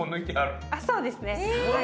そうですね。